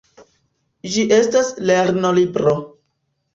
Ĝi estas lernolibro.